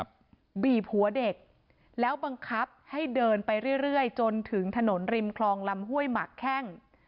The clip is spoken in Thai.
บีบหัวเด็กแล้วบังคับให้เดินไปเรื่อยจนถึงถนนริมคลองลำห้วยหมักแข้ง